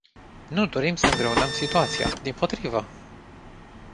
Nu dorim să îngreunăm situația, dimpotrivă!